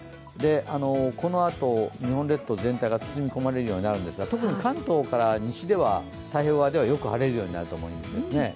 このあと、日本列島全体が包み込まれるようになるんですが特に関東から西の太平洋側ではよく晴れると思います。